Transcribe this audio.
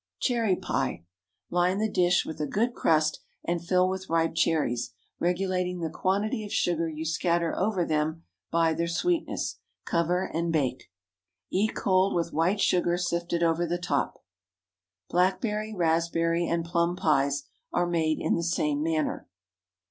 CHERRY PIE. Line the dish with a good crust, and fill with ripe cherries, regulating the quantity of sugar you scatter over them by their sweetness. Cover and bake. Eat cold, with white sugar sifted over the top. BLACKBERRY, RASPBERRY, AND PLUM PIES Are made in the same manner.